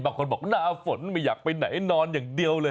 บางคนบอกหน้าฝนไม่อยากไปไหนนอนอย่างเดียวเลย